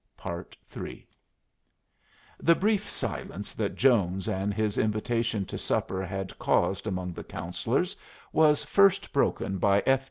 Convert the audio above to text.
III The brief silence that Jones and his invitation to supper had caused among the Councillors was first broken by F.